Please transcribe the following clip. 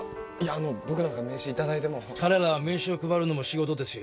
僕なんか名刺いただいても彼らは名刺を配るのも仕事ですよ